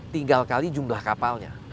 tinggal kali jumlah kapalnya